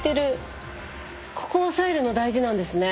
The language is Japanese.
ここ押さえるの大事なんですね。